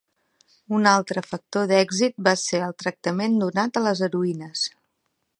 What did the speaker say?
Un altre factor d'èxit va ser el tractament donat a les heroïnes.